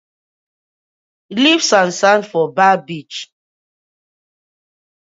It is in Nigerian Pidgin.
Leave sand sand for bar beach.